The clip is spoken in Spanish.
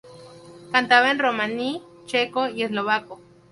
Cantaba en romaní, checo y eslovaco.